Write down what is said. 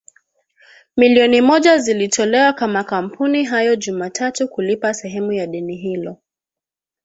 milioni moja zilitolewa kwa makampuni hayo Jumatatu kulipa sehemu ya deni hilo